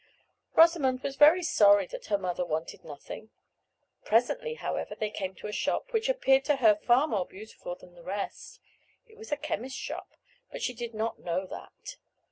Rosamond was very sorry that her mother wanted nothing. Presently, however, they came to a shop, which appeared to her far more beautiful than the rest. It was a chemist's shop, but she did not know that.